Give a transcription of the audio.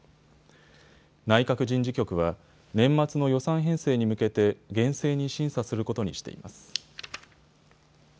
内閣人事局は年末の予算編成に向けて厳正に審査することにしています。